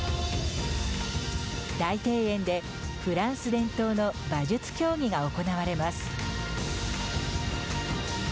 大庭園で、フランス伝統の馬術競技が行われます。